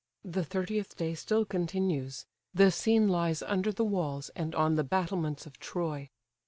The thirtieth day still continues. The scene lies under the walls, and on the battlements of Troy.